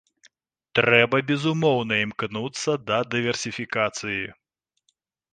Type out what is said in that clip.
Трэба безумоўна імкнуцца да дыверсіфікацыі.